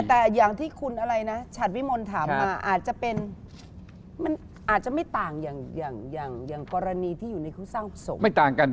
แต่อย่างที่คุณชัดวิมนต์ถามมาอาจจะไม่ต่างอย่างกรณีที่อยู่ในคุณสร้างประสงค์